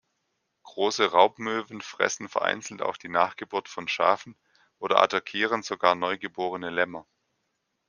Große Raubmöwen fressen vereinzelt auch die Nachgeburt von Schafen oder attackieren sogar neugeborene Lämmer.